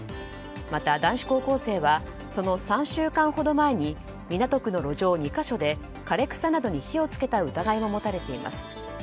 また男子高校生はその３週間ほど前に港区の路上２か所で枯れ草などに火を付けた疑いも持たれています。